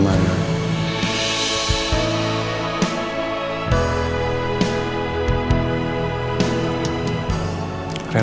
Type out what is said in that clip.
aku akan mencari reyna